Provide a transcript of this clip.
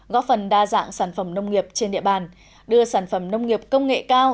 góp phần đa dạng sản phẩm nông nghiệp trên địa bàn đưa sản phẩm nông nghiệp công nghệ cao